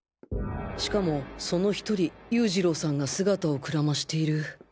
しかもその１人優次郎さんが姿をくらましている